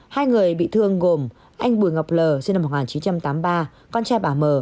hai người bị thương gồm anh bùi ngọc lờ sinh năm một nghìn chín trăm tám mươi ba con trai bà m